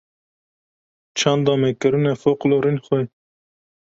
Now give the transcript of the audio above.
çanda me kirine foqlorên xwe.